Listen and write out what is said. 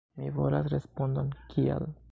Mi volas respondon kial.